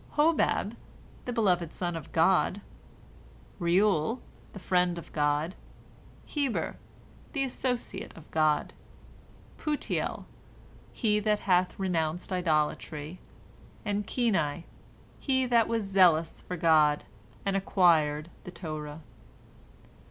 Hobab, "the beloved son of God"; Reuel, "the friend of God"; Heber, "the associate of God"; Putiel, "he that hath renounced idolatry"; and Keni, he that was "zealous" for God, and "acquired" the Torah.